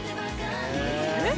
えっ？